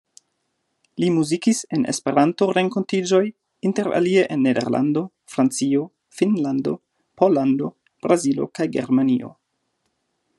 Li muzikis en Esperanto-renkontiĝoj interalie en Nederlando, Francio, Finnlando, Pollando, Brazilo kaj Germanio.